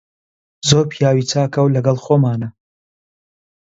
زۆر پیاوی چاکە و لەگەڵ خۆمانە.